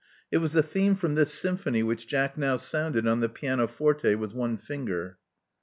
It was a theme from this symphony which Jack now sotmded on the pianoforte with one finger.